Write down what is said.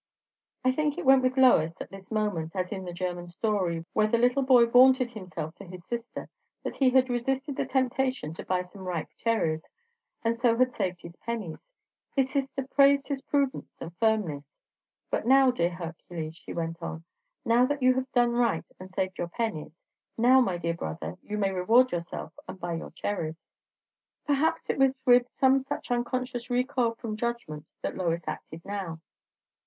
I think it went with Lois at this moment as in the German story, where a little boy vaunted himself to his sister that he had resisted the temptation to buy some ripe cherries, and so had saved his pennies. His sister praised his prudence and firmness. "But now, dear Hercules," she went on, "now that you have done right and saved your pennies, now, my dear brother, you may reward yourself and buy your cherries!" Perhaps it was with some such unconscious recoil from judgment that Lois acted now.